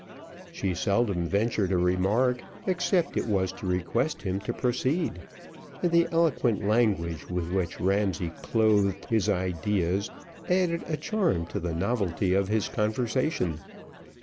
She seldom ventured a remark, except it was to request him to proceed, and the eloquent language with which Ramsay clothed his ideas, added a charm to the novelty of his conversation.